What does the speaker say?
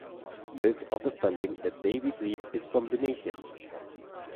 Most of the funding that they receive is from donations.